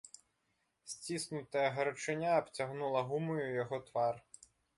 Сціснутая гарачыня абцягнула гумаю яго твар.